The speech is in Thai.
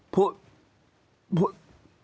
พูด